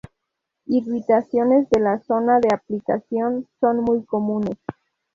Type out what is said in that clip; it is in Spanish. Irritaciones de la zona de aplicación son muy comunes.